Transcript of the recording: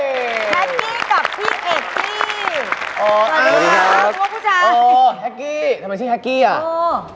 สวัสดีครับทุกผู้ชายโอ้แฮกกี้ทำไมชื่อแฮกกี้อ่ะโอ้